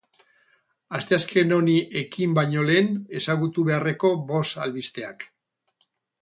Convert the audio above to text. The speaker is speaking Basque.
Asteazken honi ekin baino lehen ezagutu beharreko bost albisteak.